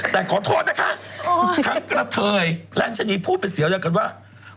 แต่ขอโทษนะคะทั้งกระเทยและชะนีพูดเป็นเสียงเดียวกันว่า